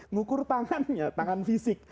ngukur tangannya tangan fisik